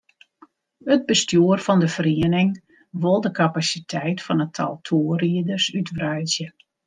It bestjoer fan de feriening wol de kapasiteit fan it tal toerriders útwreidzje.